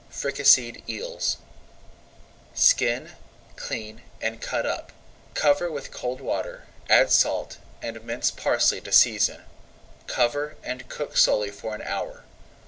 FRICASSÉED EELS Skin, clean, and cut up. Cover with cold water, add salt, and minced parsley to season, cover, and cook slowly for an hour.